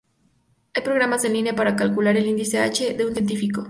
Hay programas en línea para calcular el índice "h" de un científico.